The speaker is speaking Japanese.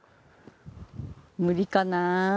無理かな。